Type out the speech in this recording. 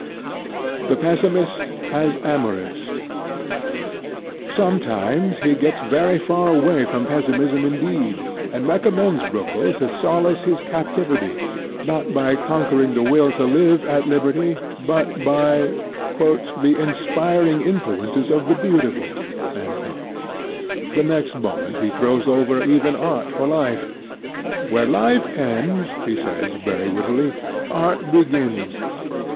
THE PESSIMIST AS AMORIST Sometimes he gets very far away from Pessimism indeed, and recommends Roeckel to solace his captivity, not by conquering the will to live at liberty, but by "the inspiring influences of the Beautiful." The next moment he throws over even Art for Life. "Where life ends," he says, very wittily, "Art begins.